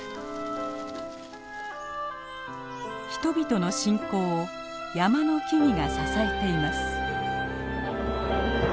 人々の信仰を山の木々が支えています。